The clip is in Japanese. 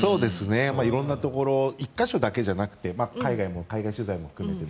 色んなところ１か所だけじゃなくて海外取材も含めて。